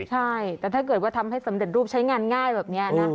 ใช่แต่ถ้าเกิดว่าทำให้สำเร็จรูปใช้งานง่ายแบบนี้นะ